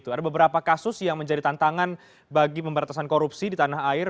ada beberapa kasus yang menjadi tantangan bagi pemberantasan korupsi di tanah air